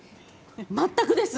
全くです。